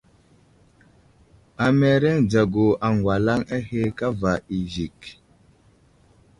Amereŋ dzagu aŋgwalaŋ ahe kava i zik.